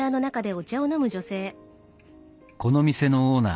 この店のオーナー